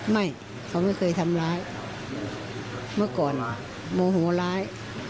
ไม่เขาไม่เคยทำร้ายเมื่อก่อนโมโหร้าย